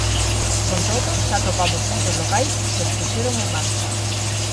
Con todo, xa atopamos moitos locais que os puxeron en marcha.